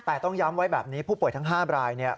แต่ต้องย้ำไว้แบบนี้ผู้ป่วยทั้ง๕รายเนี่ย